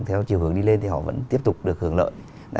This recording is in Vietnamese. theo chiều hướng đi lên thì họ vẫn tiếp tục được hưởng lợi